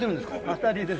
当たりです。